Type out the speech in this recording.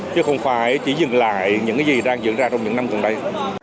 chứ không phải chỉ dừng lại những gì đang dựng ra trong những năm gần đây